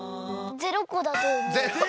０こだとおもう！